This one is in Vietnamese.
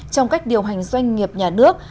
trong cách điều hành doanh nghiệp nhà nước